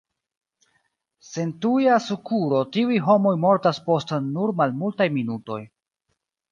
Sen tuja sukuro tiuj homoj mortas post nur malmultaj minutoj.